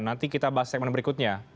nanti kita bahas segmen berikutnya